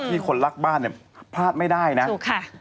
คนรักบ้านเนี่ยพลาดไม่ได้นะถูกค่ะ